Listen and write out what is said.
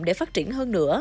để phát triển hơn nữa